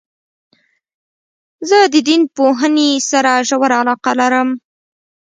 زه د دین پوهني سره ژوره علاقه لرم.